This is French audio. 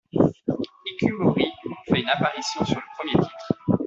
Ikue Mori fait une apparition sur le premier titre.